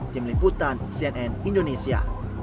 tim liputan cnn indonesia